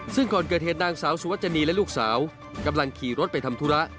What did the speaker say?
ซึ่งก่อนเกิดเหตุนางสาวสุวัชนีและลูกสาวกำลังขี่รถไปทำธุระ